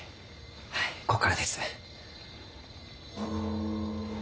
はいここからです。